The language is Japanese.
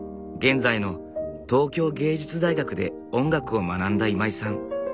現在の東京藝術大学で音楽を学んだ今井さん。